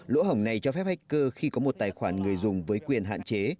lỗ hổng này cho phép hacker khi có một tài khoản người dùng với quyền hạn chế